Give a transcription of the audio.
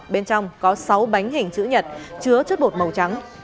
bên trong có sáu bánh hình chữ nhật chứa chất bột màu trắng